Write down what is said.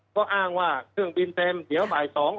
ก็อ้างว่าเครื่องบินเต็มเดี๋ยวบ่าย๒